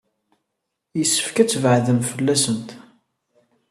Yessefk ad tbeɛɛdem fell-asent.